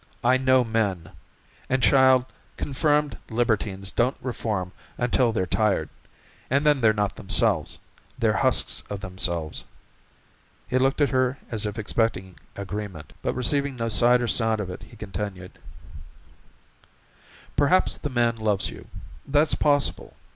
I know men. And, child, confirmed libertines don't reform until they're tired and then they're not themselves they're husks of themselves." He looked at her as if expecting agreement, but receiving no sight or sound of it he continued. "Perhaps the man loves you that's possible.